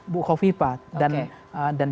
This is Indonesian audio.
bukho vipa dan